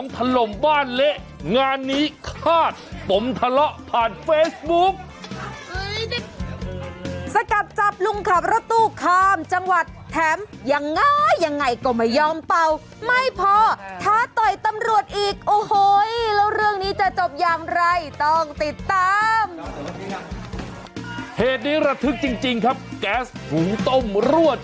สวัสดีครับสวัสดีครับสวัสดีครับสวัสดีครับสวัสดีครับสวัสดีครับสวัสดีครับสวัสดีครับสว